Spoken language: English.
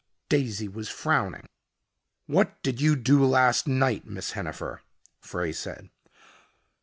Daisy was frowning. "What did you do last night, Miss Hennifer?" Frey said.